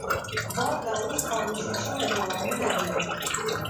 باد لا اوس خاموشه شوی وو او نه لګیده.